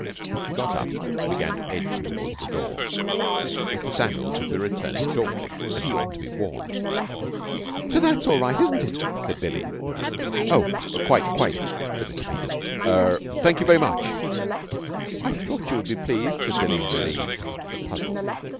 He got up and began to edge towards the door. Mr. Samuel would be returning shortly, and he ought to be warned. "So that's all right, isn't it!" said Billie. "Oh, quite, quite!" said Mr. Peters. "Er thank you very much!" "I thought you would be pleased," said Billie, relieved, but puzzled.